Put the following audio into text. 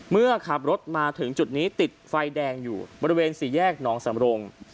เมื่อขับรถมาถึงจุดนี้ติดไฟแดงอยู่บริเวณสี่แยกหนองสำรง